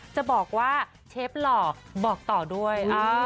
จะบอกว่าเชฟหล่อบอกต่อด้วย